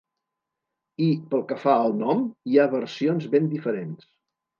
I, pel que fa al nom, hi ha versions ben diferents.